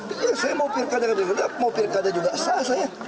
iya saya mau pilih kader juga saya sah saya